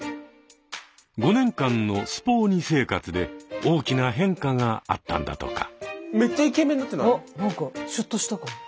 ５年間のスポ鬼生活で大きな変化があったんだとか。